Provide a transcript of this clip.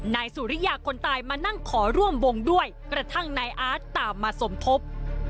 นายสุริยาคนตายมานั่งขอร่วมวงด้วยกระทั่งนายอาร์ตตามมาสมทบ